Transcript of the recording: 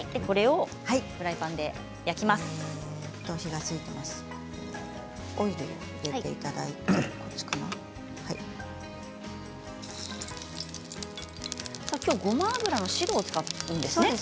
これをフライパンで焼きます。